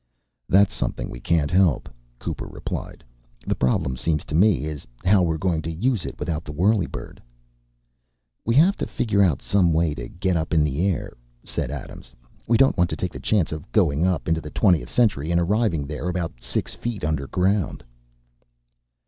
"That's something we can't help," Cooper replied. "The problem, seems to me, is how we're going to use it without the whirlybird." "We have to figure out some way to get up in the air," said Adams. "We don't want to take the chance of going up into the twentieth century and arriving there about six feet underground."